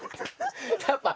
やっぱ何？